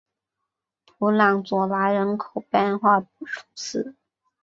普朗佐莱人口变化图示